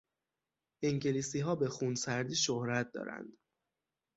انگلیسیها به خونسردی شهرت دارند.